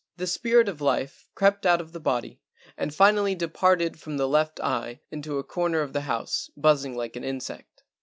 The spirit of life crept out of the body and finally departed from the left eye into a cor¬ ner of the house, buzzing like an insect.